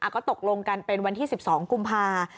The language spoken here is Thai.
ก็ตกลงกันเป็นวันที่๑๒กุมภา